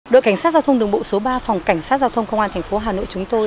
đội cảnh sát giao thông đường bộ số ba phòng cảnh sát giao thông công an thành phố hà nội chúng tôi